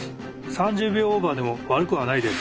３０秒オーバーでも悪くはないです。